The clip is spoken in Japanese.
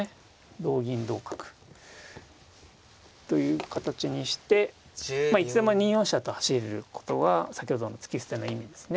同銀同角という形にしていつでも２四飛車と走れることは先ほどの突き捨ての意味ですね。